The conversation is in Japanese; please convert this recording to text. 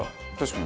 確かに。